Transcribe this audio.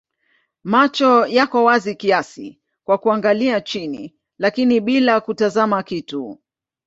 Macho yako wazi kiasi kwa kuangalia chini lakini bila kutazama kitu.